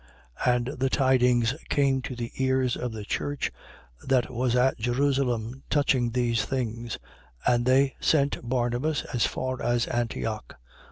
11:22. And the tidings came to the ears of the church that was at Jerusalem, touching these things: and they sent Barnabas as far as Antioch.